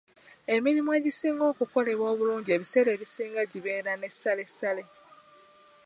Emirimu egisinga okukolebwa ebiseera ebisinga gibeera ne ssalessale.